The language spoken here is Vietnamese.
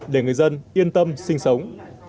để người dân yên tâm sinh sống